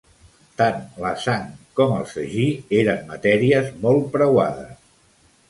Tant la sang com el sagí eren matèries molt preuades.